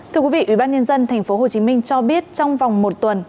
thưa quý vị ủy ban nhân dân tp hcm cho biết trong vòng một tuần